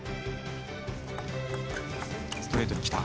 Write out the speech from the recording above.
ストレートに来た。